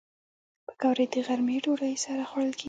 پکورې د غرمې ډوډۍ سره خوړل کېږي